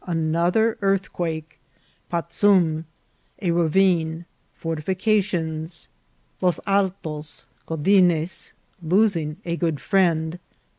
— Anoth er Earthquake — Patzum.— A Ravine. — Fortifications. — Los Altos. — Godines. — Losing a good Friend.